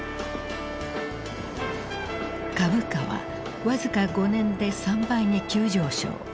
株価は僅か５年で３倍に急上昇。